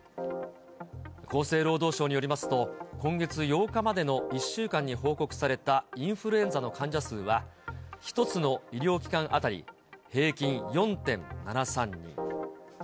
厚生労働省によりますと、今月８日までの１週間に報告されたインフルエンザの患者数は、１つの医療機関当たり平均４．７３人。